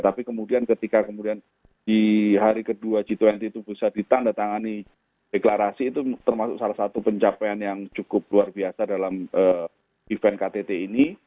tapi kemudian ketika kemudian di hari kedua g dua puluh itu bisa ditandatangani deklarasi itu termasuk salah satu pencapaian yang cukup luar biasa dalam event ktt ini